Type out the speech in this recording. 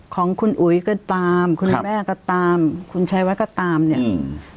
ของคุณอุ๋ยก็ตามคุณแม่ก็ตามคุณชัยวัดก็ตามเนี่ยอืม